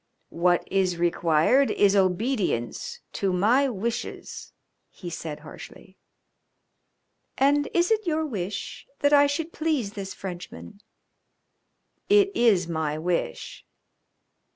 "What is required is obedience to my wishes," he said harshly. "And is it your wish that I should please this Frenchman?" "It is my wish."